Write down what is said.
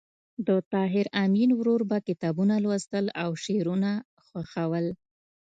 د طاهر آمین ورور به کتابونه لوستل او شعرونه خوښول